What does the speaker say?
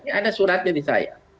ada suratnya di saya